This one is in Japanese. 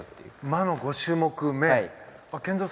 魔の５種目め。